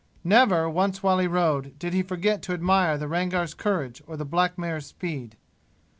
Never once while he rode did he forget to admire the Rangar's courage or the black mare's speed.